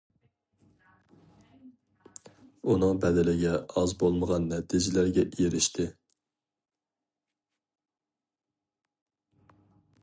ئۇنىڭ بەدىلىگە ئاز بولمىغان نەتىجىلەرگە ئېرىشتى.